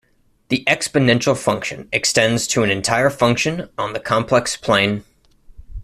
The exponential function extends to an entire function on the complex plane.